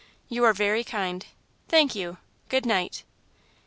You are very kind thank you good night!"